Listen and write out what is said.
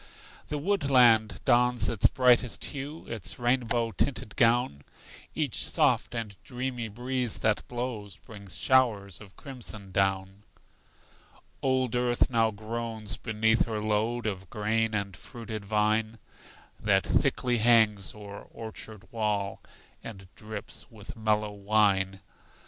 The woodland dons its brightest hue, Its rainbow tinted gown; Each soft and dreamy breeze that blows Brings showers of crimson down. Old earth now groans beneath her load Of grain and fruited vine, That thickly hangs o'er orchard wall, And drips with mellow wine.